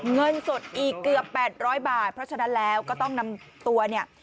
เงินสดอีกเกือบ๘๐๐บาทเพราะฉะนั้นแล้วก็ต้องนำตัวเนี่ย